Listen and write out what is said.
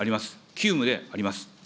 急務であります。